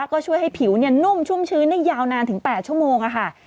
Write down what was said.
ก็ช่วยให้ผิวนุ่มชุ่มชื้นได้ยาวนานถึง๘ชั่วโมงค่ะ